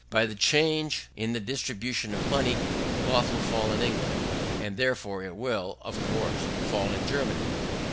By the change in the distribution of money, cloth will fall in England; and therefore it will, of course, fall in Germany.